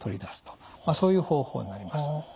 そういう方法になります。